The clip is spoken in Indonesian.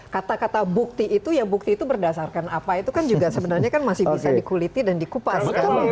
kata kata bukti itu ya bukti itu berdasarkan apa itu kan juga sebenarnya kan masih bisa dikuliti dan dikupas